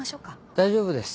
大丈夫です。